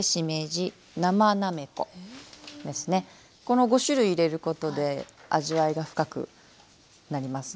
この５種類入れることで味わいが深くなります。